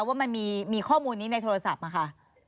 ว่ามันมีข้อมูลนี้ในโทรศัพท์มาค่ะ